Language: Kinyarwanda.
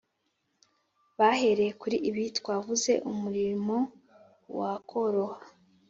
bahereye kuri ibi twavuze umurimo wakoroha